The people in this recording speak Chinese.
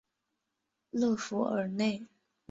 勒富尔内。